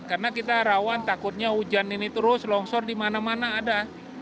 karena kita rawan takutnya hujan ini terus longsor di mana mana ada